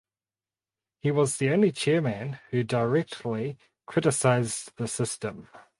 He was the only chairman who directly criticised the system.